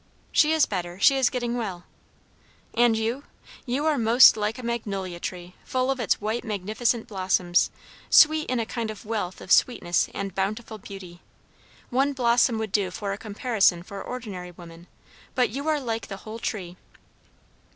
"She is better. She is getting well." "And you? You are most like a magnolia tree, full of its white magnificent blossoms; sweet in a kind of wealth of sweetness and bountiful beauty. One blossom would do for a comparison for ordinary women; but you are like the whole tree."